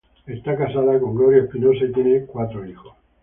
Está casado con Gloria Espinosa y tienen cuatro hijos.